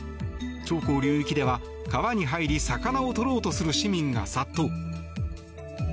長江流域では、川に入り魚を取ろうとする市民が殺到。